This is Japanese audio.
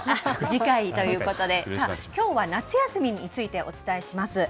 次回ということで、さあ、きょうは夏休みについてお伝えします。